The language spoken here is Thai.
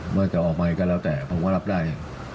ว่าจะออกมาอีกก็แล้วแต่ผมว่ารับได้